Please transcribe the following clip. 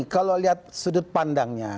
kalau lihat sudut pandangnya